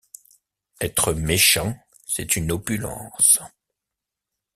Être méchant, c’est une opulence.